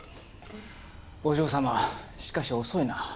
お嬢様しかし遅いな。